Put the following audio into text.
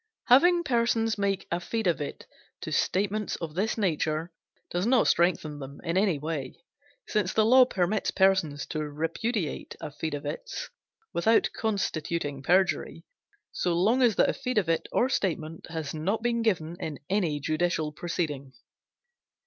Having persons make affidavit to statements of this nature does not strengthen them in any way, since the law permits persons to repudiate affidavits without constituting perjury, so long as the affidavit or statement has not been given in any judicial proceeding.